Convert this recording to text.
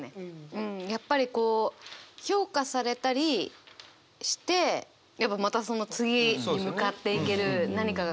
うんやっぱりこう評価されたりしてやっぱまたその次に向かっていける何かが見えるというか。